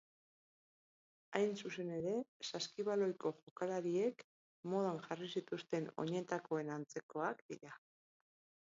Hain zuzen ere, saskibaloiko jokalariek modan jarri zituzten oinetakoen antzekoak dira.